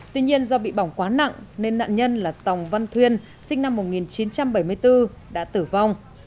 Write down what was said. tuy nhiên do bị bỏng quá nặng nên nạn nhân là tòng văn thuyên sinh năm một nghìn chín trăm bảy mươi bốn đã tử vong